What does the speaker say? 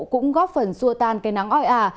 cũng góp phần xua tan cây nắng oi ả